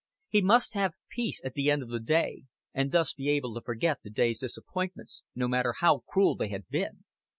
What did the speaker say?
He must have peace at the end of the day, and thus be able to forget the day's disappointments, no matter how cruel they had been.